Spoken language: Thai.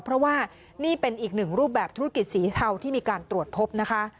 เพราะว่านี่เป็นอีกหนึ่งรูปแบบธุรกิจสีเทาที่มีการตรวจพบนะคะ